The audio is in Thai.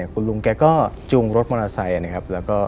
คุณลุงแกก็จรุงรถมอเบอร์ไซส์